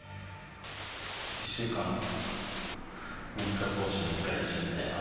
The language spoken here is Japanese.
１週間、３日投手、３日野手みたいな。